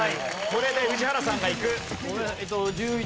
これで宇治原さんがいく。